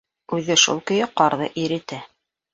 Үҙе шул көйө ҡарҙы иретә.